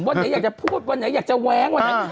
วันนี้อยากจะพูดวันนี้อยากจะแว้งวันนี้